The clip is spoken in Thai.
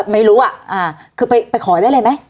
ไม่รู้อ่ะคือไปขอได้เลยไหม